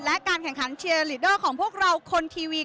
และการแข่งขันเชียร์ลีเดอร์ของพวกเราคนทีวี